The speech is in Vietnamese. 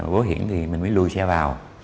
bố hiển thì mình mới lùi xe vào